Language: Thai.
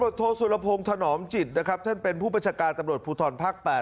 พบิโธโซราโพงทนวำฎิจท่านเป็นผู้ประชะการตำรวจพูทรภักดิ์๘